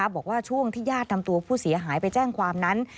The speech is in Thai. บอกว่าช่วงที่ญาตินำตัวผู้เสียหายไปแจ้งความนั้น